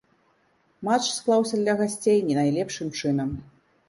Матч склаўся для гасцей не найлепшым чынам.